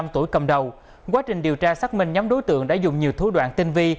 năm tuổi cầm đầu quá trình điều tra xác minh nhóm đối tượng đã dùng nhiều thú đoạn tinh vi